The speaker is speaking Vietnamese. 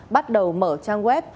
bắt đầu mở trang web